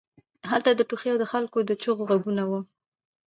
هلته د ټوخي او د خلکو د چیغو غږونه وو